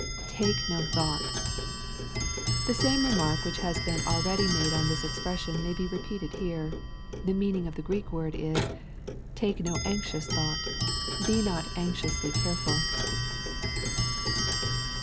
[Take no ihotight.] The same remark which has been already made on this expression may be repeated here. The meaning of the Greek word is, " Take no anxious thought, — ^be not anxiously careful."